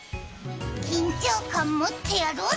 緊張感持ってやろうぜ！